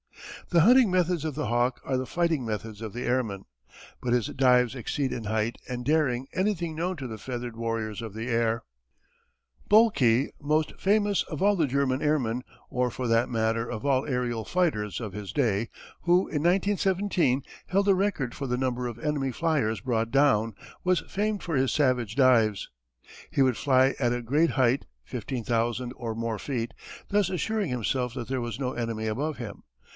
The hunting methods of the hawk are the fighting methods of the airman. But his dives exceed in height and daring anything known to the feathered warriors of the air. Boelke, most famous of all the German airmen or for that matter of all aërial fighters of his day who in 1917 held the record for the number of enemy flyers brought down, was famed for his savage dives. He would fly at a great height, fifteen thousand or more feet, thus assuring himself that there was no enemy above him.